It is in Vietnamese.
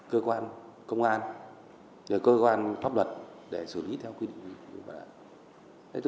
cơ quan công an cơ quan pháp luật để xử lý theo quy định